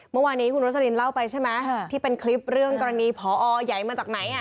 เมื่อวานนี้คุณโรสลินเล่าไปใช่ไหมที่เป็นคลิปเรื่องกรณีพอใหญ่มาจากไหน